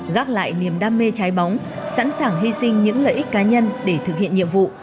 gác lại niềm đam mê trái bóng sẵn sàng hy sinh những lợi ích cá nhân để thực hiện nhiệm vụ